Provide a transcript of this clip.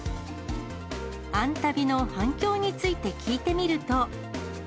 あんたびの反響について聞いてみると。